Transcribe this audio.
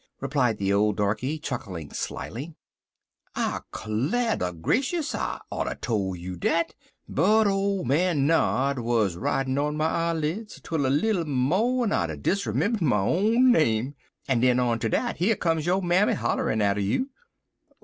replied the old darkey, chuckling slyly. "I 'clar ter grashus I ought er tole you dat, but old man Nod wuz ridin' on my eyeleds 'twel a leetle mo'n I'd a dis'member'd my own name, en den on to dat here come yo mammy hollerin' atter you.